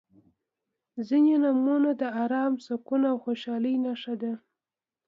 • ځینې نومونه د ارام، سکون او خوشحالۍ نښه ده.